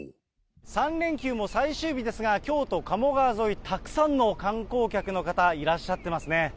３連休も最終日ですが、京都・鴨川沿い、たくさんの観光客の方、いらっしゃってますね。